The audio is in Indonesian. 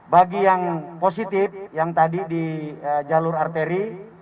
bagi yang positif yang tadi di jalur arteri